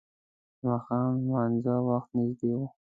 د ماښام لمانځه وخت نږدې و.